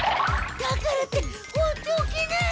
だからって放っておけない！